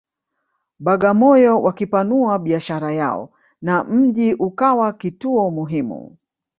Bagamoyo wakipanua biashara yao na mji ukawa kituo muhimu